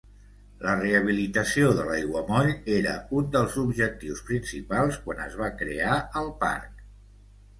La rehabilitació de l'aiguamoll era un dels objectius principals quan es va crear el parc.